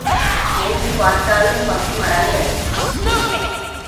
எங்குப் பார்த்தாலும் பசுமரங்கள்!